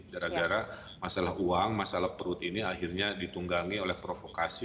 gara gara masalah uang masalah perut ini akhirnya ditunggangi oleh provokasi